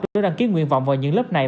để đăng ký nguyên vọng vào những lớp này